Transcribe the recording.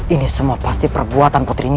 ini semua pasti perbuatan putri ini